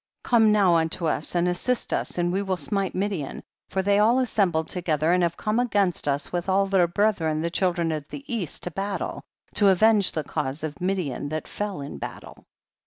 Come now unto us and assist us and we will smite Midian, for they all assembled together and have come against us with all their brethren the children of the east to battle, to avenge the cause of Midian that fell in baltle.